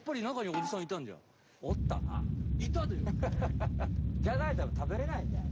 じゃないとたぶん食べれないんだよね。